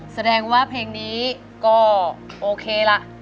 แสดงว่าเพลงนี้ก็โอเคล่ะ